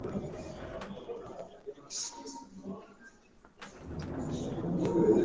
Kila siku kutoka Washington